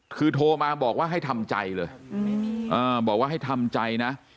คือโทรมาบอกว่าให้ทำใจเลยบอกว่าให้ทำใจนะ